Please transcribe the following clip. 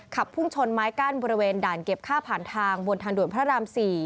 พุ่งชนไม้กั้นบริเวณด่านเก็บค่าผ่านทางบนทางด่วนพระราม๔